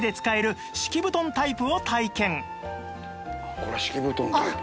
これ敷き布団タイプ？